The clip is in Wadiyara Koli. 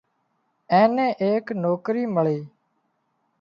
اين نين ايڪ نوڪرِي مۯي